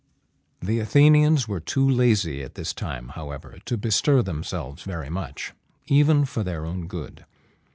The Athenians were too lazy at this time, however, to bestir themselves very much, even for their own good.